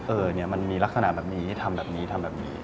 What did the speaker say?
เออเนี่ยมันมีลักษณะแบบนี้ทำแบบนี้ทำแบบนี้